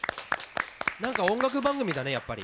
何か音楽番組だねやっぱり。